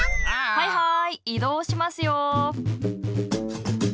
はいはい移動しますよ。